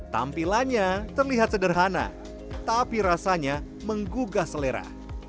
tampilannya terlihat sederhana tapi rasanya menggugah selera